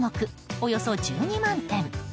およそ１２万点。